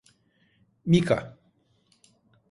Mika…